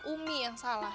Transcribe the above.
umi yang salah